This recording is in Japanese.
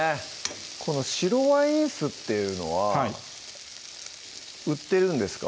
この白ワイン酢っていうのははい売ってるんですか？